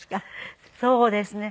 そうですね